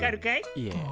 いえ。